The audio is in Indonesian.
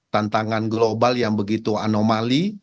tantangan global yang begitu anomali